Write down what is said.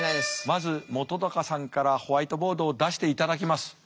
まず本さんからホワイトボードを出していただきます。